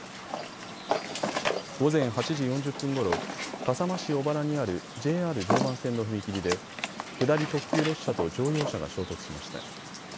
午前８時４０分ごろ笠間市小原にあるＪＲ常磐線の踏切で下り特急列車と乗用車が衝突しました。